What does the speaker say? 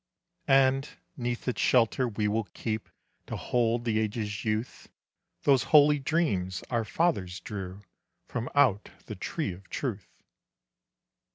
"And 'neath its shelter we will keep, To hold the ages' youth, Those holy dreams our fathers drew From out the tree of truth."